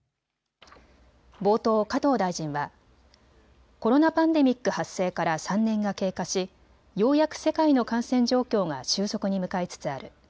冒頭、加藤大臣はコロナパンデミック発生から３年が経過し、ようやく世界の感染状況が収束に向かいつつある。